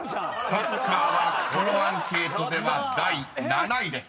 ［「サッカー」はこのアンケートでは第７位です］